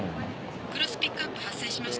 クロスピックアップ発生しました。